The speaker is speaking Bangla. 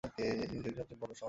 তিনি ছিলেন সবচেয়ে বড় সন্তান।